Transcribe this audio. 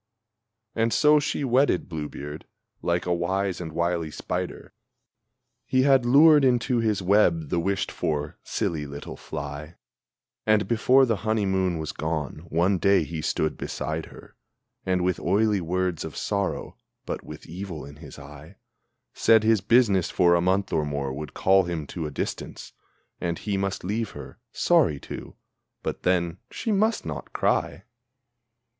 And so she wedded Blue beard like a wise and wily spider He had lured into his web the wished for, silly little fly! And, before the honeymoon was gone, one day he stood beside her, And with oily words of sorrow, but with evil in his eye, Said his business for a month or more would call him to a distance, And he must leave her sorry to but then, she must not cry!